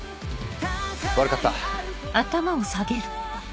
悪かった。